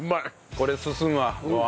これ進むわご飯。